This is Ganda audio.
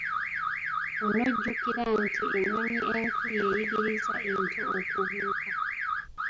Onojjukira nti ennyonyi enkulu yeeyigiriza ento okubuuka?